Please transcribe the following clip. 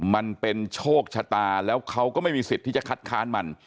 มันเป็นโชคชะตาแล้วเขาก็ไม่มีสิทธิ์ที่จะคัดค้านมัน